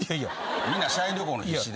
みんな社員旅行に必死で。